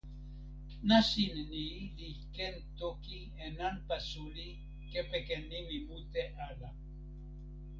nasin ni li ken toki e nanpa suli kepeken nimi mute ala.